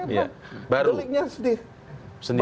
ini adalah deliknya sendiri